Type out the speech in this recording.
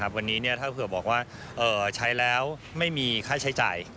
วันนี้ถ้าเผื่อบอกว่าใช้แล้วไม่มีค่าใช้จ่าย